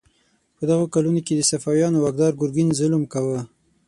په دغو کلونو کې د صفویانو واکدار ګرګین ظلم کاوه.